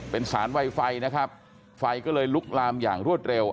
เป็นสารไวไฟนะครับไฟก็เลยลุกลามอย่างรวดเร็ว